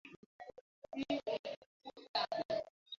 এই তালাক কার্যকর হবে নোটিশ পাঠানোর তারিখ থেকে তিন মাস পর।